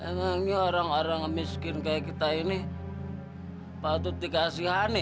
emangnya orang orang miskin kayak kita ini patut dikasih hanyi